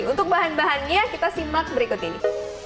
untuk bahan bahannya kita simak berikut ini